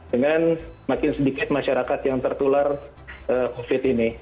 dengan makin sedikit masyarakat yang tertular covid ini